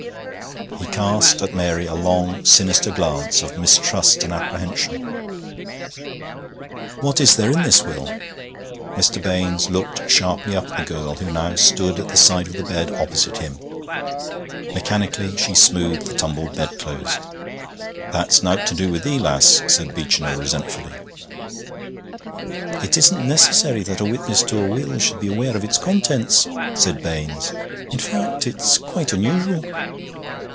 He cast at Mary a long sinister glance of mistrust and apprehension. 'What is there in this will?' Mr. Baines looked sharply up at the girl, who now stood at the side of the bed opposite him. Mechanically she smoothed the tumbled bed clothes. 'That's nowt to do wi' thee, lass,' said Beechinor resentfully. 'It isn't necessary that a witness to a will should be aware of its contents,' said Baines. 'In fact, it's quite unusual.'